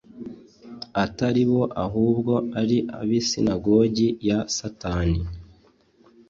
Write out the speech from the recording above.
atari bo ahubwo ari abisinagogi ya Satani